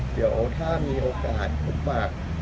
เดี๋ยวถ้ามีโอกาสหลุบบัง